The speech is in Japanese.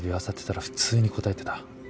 漁ってたら普通に答えてた。